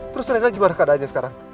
terus reda gimana keadaannya sekarang